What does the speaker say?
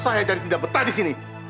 saya jadi tidak betah di sini